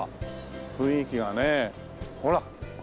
雰囲気がねほら。